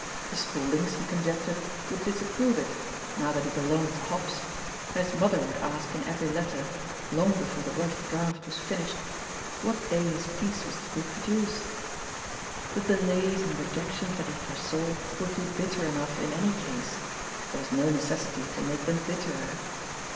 The Spauldings, he conjectured, would disapprove it, now that he belonged to hops, and his mother would ask in every letter — long before the rough draft was finished — "what day his piece was to be produced." The delays end rejections that he foresaw would be bittejf enough in any case — ^there was no necessity to make them bitterer.